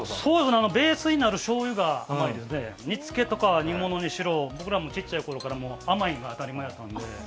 ベースになるしょうゆが煮付けとか煮物にしろ僕らもちっちゃいころから甘いのが当たり前だったので。